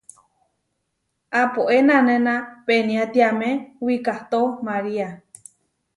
Aapóe nanéna peniátiame wikahtó María.